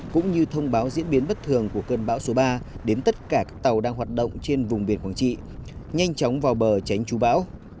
cũng như thông báo diễn biến bất thường của cơn bão số ba đến tất cả các tàu đang hoạt động trên vùng biển quảng trị nhanh chóng vào bờ tránh chú bão